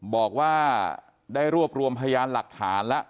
บอกว่าได้รวบรวมพยานหลักฐานแล้ว